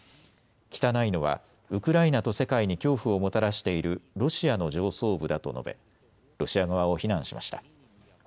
汚いのはウクライナと世界に恐怖をもたらしているロシアの上層部だと述べ、ロシア側を非難しました。